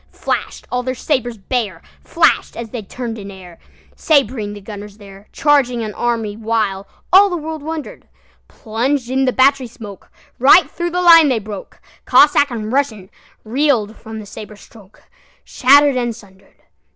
Flash'd all their sabres bare, Flash'd as they turn'd in airSabring the gunners there, Charging an army, whileAll the world wonder'd:Plunged in the battery smokeRight thro' the line they broke; Cossack and RussianReel'd from the sabre strokeShatter'd and sunder'd.